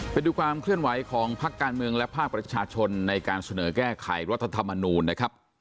ไปดูความเคลื่อนไหวของพักการเมืองและภาคประชาชนในการเสนอแก้ไขรัฐธรรมนูลนะครับ